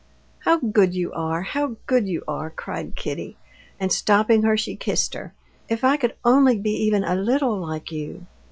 "How good you are! how good you are!" cried Kitty, and stopping her, she kissed her. "If I could only be even a little like you!"